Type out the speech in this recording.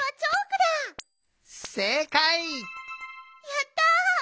やった！